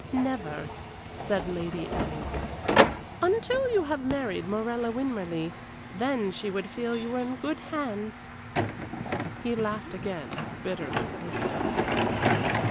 "Never," said Lady Anningford, "until you have married Morella Winmarleigh; then she would feel you were in good hands." He laughed again bitterly this time.